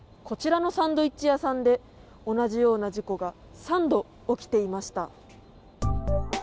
こちらのサンドイッチ屋さんで同じような事故が３度起きていました。